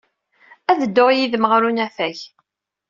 Ad dduɣ yid-m ɣer unafag.